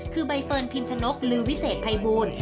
คือใบเฟิร์นพิมพ์ชะโน๊กลือวิเศษภายบูรณ์